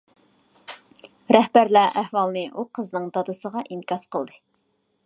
رەھبەرلەر ئەھۋالنى ئۇ قىزنىڭ دادىسىغا ئىنكاس قىلدى.